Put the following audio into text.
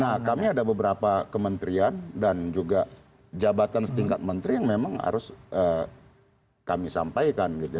nah kami ada beberapa kementerian dan juga jabatan setingkat menteri yang memang harus kami sampaikan gitu ya